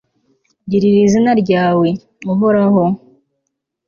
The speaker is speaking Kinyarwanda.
girira izina ryawe, uhoraho